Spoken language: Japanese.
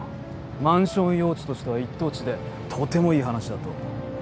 マンション用地としては一等地でとてもいい話だと。